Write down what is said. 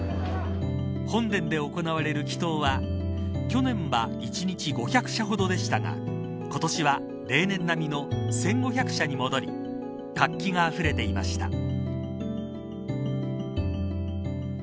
本殿で行われる祈祷は去年は１日５００社ほどでしたが今年は、例年並みの１５００社に戻り活気があふれていました。